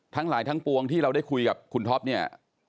ทั้งหลายทั้งปวงที่เราได้คุยกับคุณท็อปเนี่ย